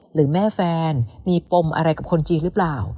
หรือแม่แฟนมีปมอะไรกับคนจีนหรือเปล่า